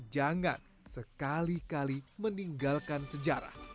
jangan sekali kali meninggalkan sejarah